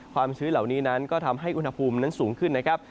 ชื้นเหล่านี้นั้นก็ทำให้อุณหภูมินั้นสูงขึ้นนะครับ